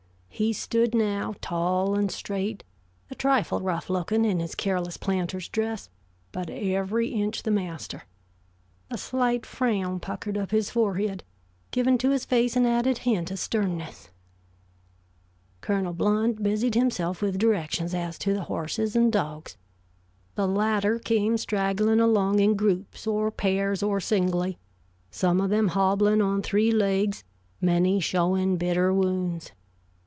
He stood now, tall and straight, a trifle rough looking in his careless planter's dress, but every inch the master. A slight frown puckered up his forehead, giving to his face an added hint of sternness. Colonel Blount busied himself with directions as to the horses and dogs. The latter came straggling along in groups or pairs or singly, some of them hobbling on three legs, many showing bitter wounds.